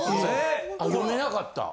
読めなかった。